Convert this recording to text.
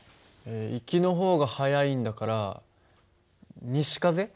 行きの方が速いんだから西風？